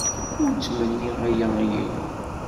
Ur ttmenniɣ aya i yiwen.